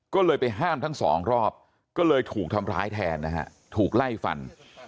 ก็เลยไปห้ามทั้งสองรอบก็เลยถูกทำร้ายแทนนะฮะถูกไล่ฟัน